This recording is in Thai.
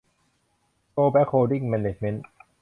โกลเบล็ก โฮลดิ้ง แมนเนจเม้นท์